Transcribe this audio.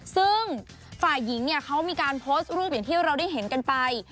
ซึ่งฝ่ายหญิงเนี่ยเขามีการโพสต์รูปอย่างที่เราได้เห็นกันไป